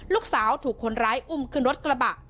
ลูกสาวถูกคนร้ายอุ้มขึ้นรถกระบะ